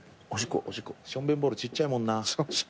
しょんべんボールちっちゃいもんな。